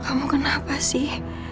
kamu kenapa sih